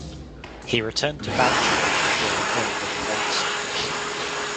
He returned to Bauchi after falling ill with lung sickness.